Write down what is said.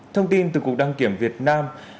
thông tin từ cục đăng kiểm việt nam